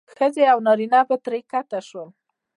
ښځې او نارینه به ترې ښکته شول.